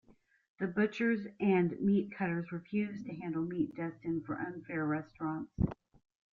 The butchers and meat cutters refused to handle meat destined for unfair restaurants.